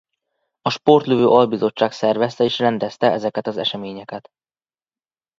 A Sportlövő Albizottság szervezte és rendezte ezeket az eseményeket.